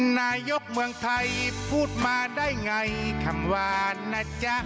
นายกเมืองไทยพูดมาได้ไงคำหวานนะจ๊ะ